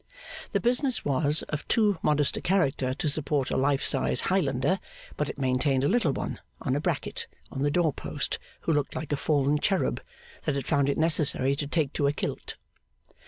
The business was of too modest a character to support a life size Highlander, but it maintained a little one on a bracket on the door post, who looked like a fallen Cherub that had found it necessary to take to a kilt.